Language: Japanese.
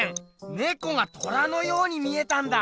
ねこが虎のように見えたんだ！